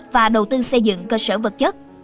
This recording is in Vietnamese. và đầu tư xây dựng cơ sở vật chất